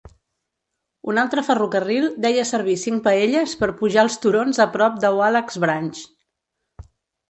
Un altre ferrocarril deia servir cinc paelles per pujar els turons a prop de Wallacks Branch.